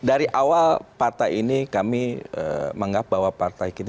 dari awal partai ini kami menganggap bahwa partai kita